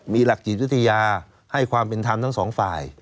มีหลักจิตวิทยาให้ความเป็นธรรมทั้งสองฝ่าย